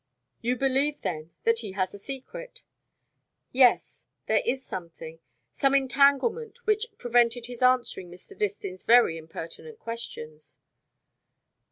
"You believe, then, that he has a secret?" "Yes there is something some entanglement which prevented his answering Mr. Distin's very impertinent questions."